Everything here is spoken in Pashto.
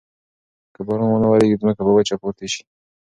که باران ونه وریږي، ځمکه به وچه پاتې شي.